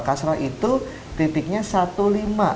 kasra itu titiknya satu lima